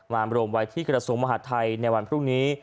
มาอำรวบไว้ที่กรสงค์มหาดไทยในวันพรุ่งนี้